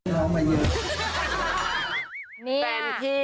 แฟนคนเดิมเหรอนี่เด็กเหรอ